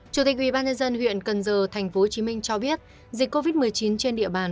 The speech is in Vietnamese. chủ tịch ủy ban nhân dân huyện cần giờ tp hcm cho biết dịch covid một mươi chín trên địa bàn